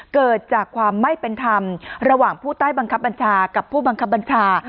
เกิดจากความไม่เป็นธรรมระหว่างผู้ใต้บังคับบัญชากับผู้บังคับบัญชา